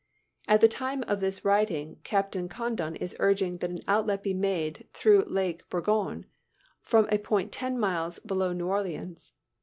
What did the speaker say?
At the time of this writing Captain Condon is urging that an outlet be made through Lake Borgne, from a point ten miles below New Orleans.